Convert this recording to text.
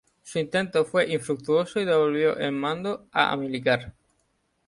Su intento fue infructuoso y devolvió el mando a Amílcar.